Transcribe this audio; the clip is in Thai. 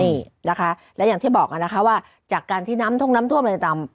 นี่ไว้ค่ะแล้วอย่างที่บอกกันนะคะว่าจากการที่น้ำทุกข์น้ำทั่วเบนตาม